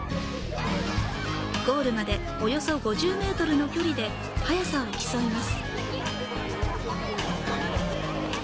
ゴールまで約５０ｍの距離で速さを競います。